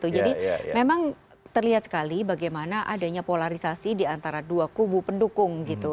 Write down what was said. jadi memang terlihat sekali bagaimana adanya polarisasi diantara dua kubu pendukung